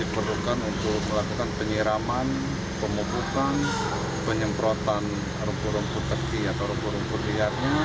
pertama pemupukan penyemprotan rumput rumput teki atau rumput rumput liarnya